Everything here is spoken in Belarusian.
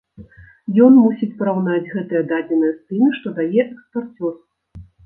Ён мусіць параўнаць гэтыя дадзеныя з тымі, што дае экспарцёр.